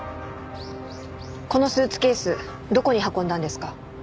このスーツケースどこに運んだんですか？